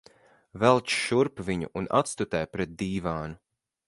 Velc šurp viņu un atstutē pret dīvānu.